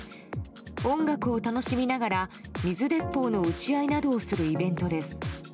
音楽を楽しみながら水鉄砲の撃ち合いなどをするイベントです。